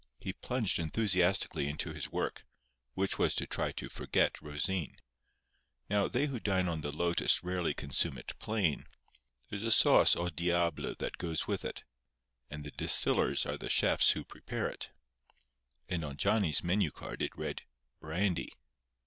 He plunged enthusiastically into his work, which was to try to forget Rosine. Now, they who dine on the lotus rarely consume it plain. There is a sauce au diable that goes with it; and the distillers are the chefs who prepare it. And on Johnny's menu card it read "brandy."